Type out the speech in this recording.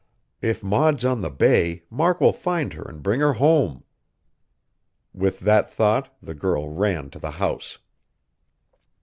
If Maud's on the bay Mark will find her and bring her home!" With that thought the girl ran to the house.